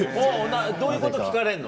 どういうこと聞かれんの？